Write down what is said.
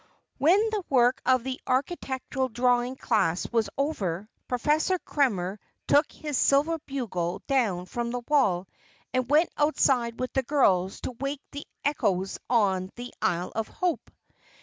When the work of the architectural drawing class was over, Professor Krenner took his silver bugle down from the wall and went outside with the girls to wake the echoes on the Isle of Hope.